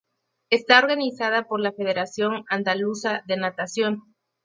Está organizada por la Federación Andaluza de Natación.